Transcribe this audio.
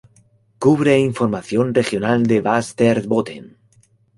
Cubre información regional de Västerbotten.